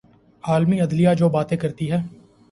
اعلی عدلیہ جو باتیں کرتی ہے۔